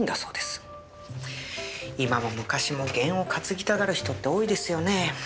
今も昔もゲンを担ぎたがる人って多いですよね。